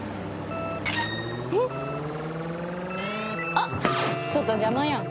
「」あっちょっと邪魔やん。